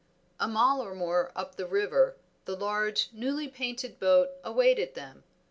A mile or more up the river the large, newly painted boat awaited them.